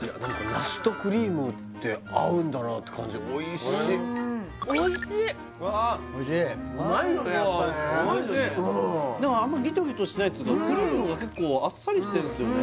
梨とクリームって合うんだなって感じおいしいおいしい・おいしいうまいよねやっぱりねでもあんまりギトギトしてないっていうかクリームが結構あっさりしてんですよね